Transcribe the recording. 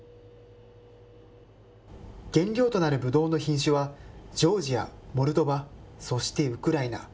原料となるブドウの品種は、ジョージア、モルドバ、そしてウクライナ。